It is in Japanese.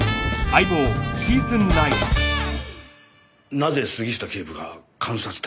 なぜ杉下警部が監察対象に？